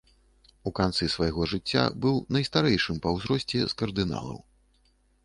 У канцы свайго жыцця быў найстарэйшым па ўзросце з кардыналаў.